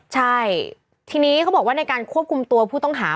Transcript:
ใช่ทีนี้เขาบอกว่าในการควบคุมตัวผู้ต้องหา